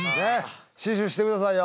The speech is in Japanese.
死守してくださいよ